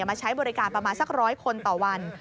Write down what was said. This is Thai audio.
มาใช้บริการประมาณสัก๑๐๐คนต่อวัน